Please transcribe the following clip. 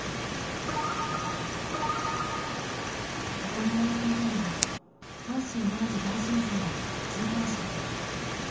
行われていたのは阪神・淡路大震災の追悼式です。